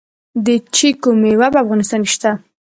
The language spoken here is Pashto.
د چیکو میوه په افغانستان کې شته؟